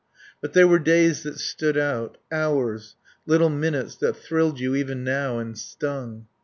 But there were days that stood out; hours; little minutes that thrilled you even now and stung.